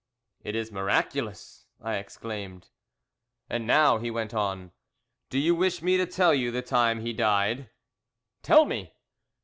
"It is miraculous," I exclaimed. "And now," he went on, "do you wish me to tell you the time he died?" "Tell me!"